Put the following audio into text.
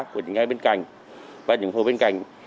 của những ngay bên cạnh và những phố bên cạnh